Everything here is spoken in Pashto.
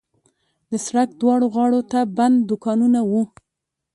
د سړک دواړو غاړو ته بند دوکانونه وو.